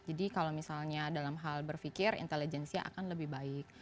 jadi kalau misalnya dalam hal berpikir intelijensi akan lebih baik